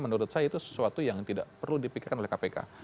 menurut saya itu sesuatu yang tidak perlu dipikirkan oleh kpk